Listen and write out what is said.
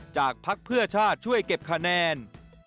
พักเพื่อชาติช่วยเก็บคะแนน